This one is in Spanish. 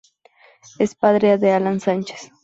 Es padre de Alan Sánchez.